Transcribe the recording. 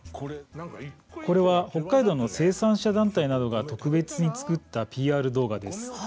これは北海道の生産者団体などが特別に作ったＰＲ動画です。